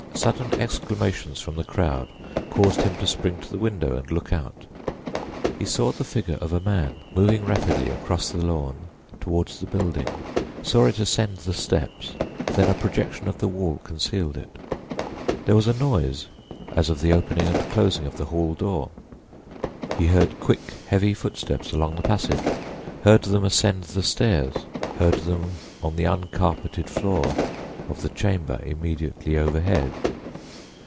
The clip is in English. Sudden exclamations from the crowd caused him to spring to the window and look out. He saw the figure of a man moving rapidly across the lawn toward the building—saw it ascend the steps; then a projection of the wall concealed it. There was a noise as of the opening and closing of the hall door; he heard quick, heavy footsteps along the passage—heard them ascend the stairs—heard them on the uncarpeted floor of the chamber immediately overhead.